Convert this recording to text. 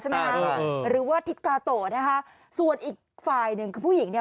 หรือว่าทิศกาโตนะคะส่วนอีกฝ่ายหนึ่งคือผู้หญิงเนี่ย